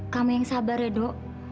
kamu yang sabar edho